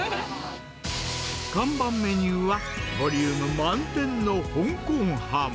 看板メニューは、ボリューム満点のホンコン飯。